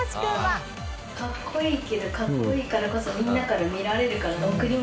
かっこいいけどかっこいいからこそみんなから見られるから。